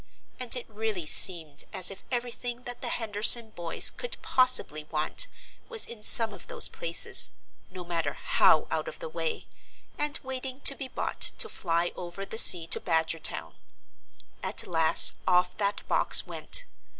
And it really seemed as if everything that the Henderson boys could possibly want, was in some of those places no matter how out of the way and waiting to be bought to fly over the sea to Badgertown. At last off that box went.